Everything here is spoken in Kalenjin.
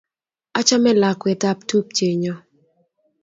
Achame lakwet ap tupchennyo